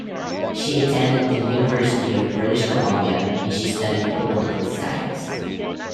She attended the University of British Columbia and she studied political science.